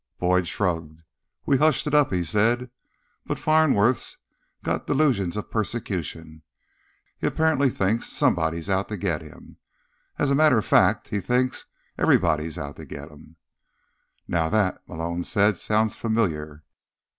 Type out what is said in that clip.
Boyd shrugged "We hushed it up," he said. "But Farnsworth's got delusions of persecution. He apparently thinks somebody's out to get him. As a matter of fact, he thinks everybody's out to get him." "Now that," Malone said, "sounds familiar."